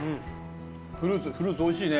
フルーツおいしいね。